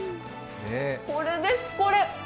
これです、これ。